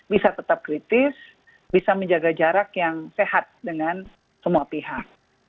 bisa tetap kritis bisa menjaga jarak yang sehat dengan semua pihak